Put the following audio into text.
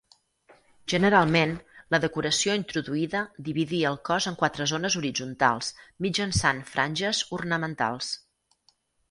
Generalment, la decoració introduïda dividia el cos en quatre zones horitzontals mitjançant franges ornamentals.